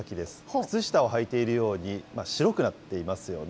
靴下をはいているように、白くなっていますよね。